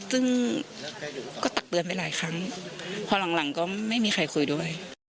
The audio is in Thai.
ซึ่งก็ตักเตือนไปหลายครั้งพอหลังก็ไม่มีใครคุยด้วย